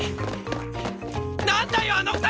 なんだよあの２人！